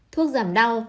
thuốc giảm đau